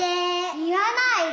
言わないで。